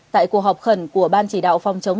tại cuộc họp khẩn của ban chỉ đạo phòng chống